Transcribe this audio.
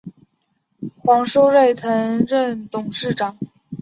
黄书锐曾任董事长。